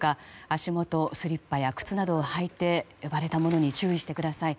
足元、スリッパや靴などを履いて割れたものに注意してください。